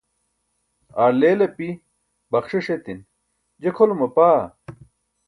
aar leel api, baxṣiṣ etin, je kʰolum apaa